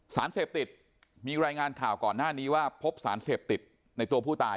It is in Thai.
สารเสพติดมีรายงานข่าวก่อนหน้านี้ว่าพบสารเสพติดในตัวผู้ตาย